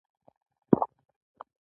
دا د یو ګروپ ترمنځ مباحثه ده.